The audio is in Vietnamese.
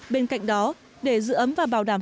bên cạnh đó để giữ ấm và bảo đảm